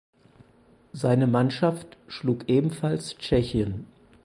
Seine Mannschaft schlug ebenfalls Tschechien.